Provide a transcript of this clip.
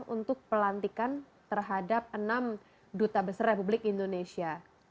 untuk pelantikan terhadap enam duta besar republik indonesia